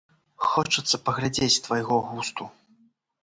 Хочацца паглядзець твайго густу.